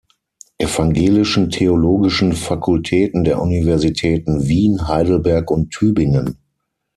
Evangelischen Theologischen Fakultäten der Universitäten Wien, Heidelberg und Tübingen.